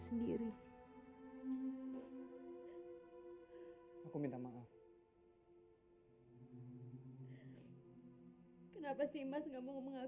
study gak punya advisor